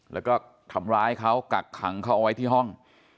แล้วก็ทำร้ายเขากักขังเขาเอาไว้ที่ห้อง